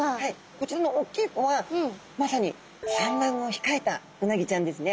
こちらのおっきい子はまさに産卵を控えたうなぎちゃんですね。